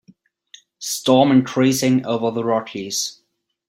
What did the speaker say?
Storm increasing over the Rockies.